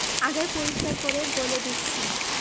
আগেই পরিষ্কার করে বলে নিচ্ছি!